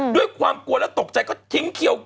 ด้วยความกลัวแล้วตกใจก็ทิ้งเขียว